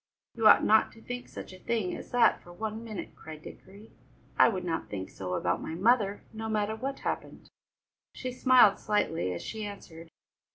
"You ought not to think such a thing as that for one minute," cried Dickory. "I would not think so about my mother, no matter what happened!" She smiled slightly as she answered.